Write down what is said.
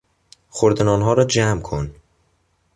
خرده نانها را جمع کن.